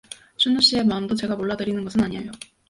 춘우 씨의 마음도 제가 몰라 드리는 것이 아냐요.